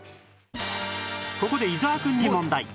ここで伊沢くんに問題